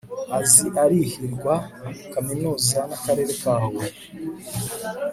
azi arihirwa Kaminuza n Akarere ka Huye